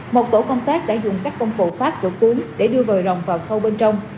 một tổ công tác đã dùng các công cụ phát chỗ cuốn để đưa vòi rồng vào sâu bên trong